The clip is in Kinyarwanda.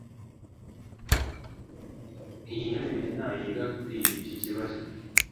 ntiyitabira inama yiga kuri icyo kibazo